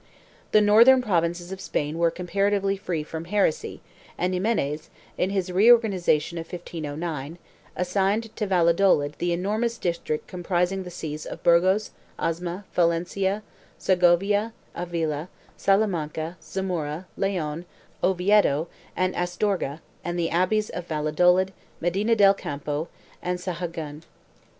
The northern provinces of Spain were comparatively free from heresy and Ximenes, in his reorganization of 1509, assigned to Valla dolid the enormous district comprising the sees of Burgos, Osma, Palencia, Segovia, Avila, Salamanca, Zamora, Leon, Oviedo and Astorga and the abbeys of Valladolid, Medina del Campo and Sahagun.